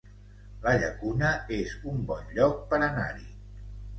La Llacuna es un bon lloc per anar-hi